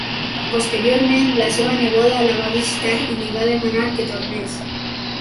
Posteriorment, la seva neboda la va visitar i li va demanar que tornés.